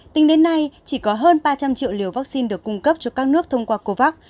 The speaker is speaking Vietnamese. tính đến nay chỉ có hơn ba trăm linh triệu liều vaccine được cung cấp cho các nước thông qua covax